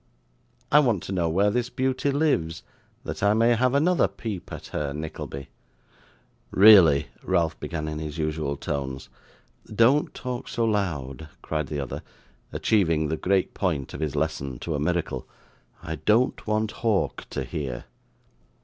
I want to know where this beauty lives, that I may have another peep at her, Nickleby.' 'Really ' Ralph began in his usual tones. 'Don't talk so loud,' cried the other, achieving the great point of his lesson to a miracle. 'I don't want Hawk to hear.